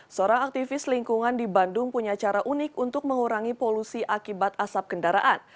seorang aktivis lingkungan di bandung punya cara unik untuk mengurangi polusi akibat asap kendaraan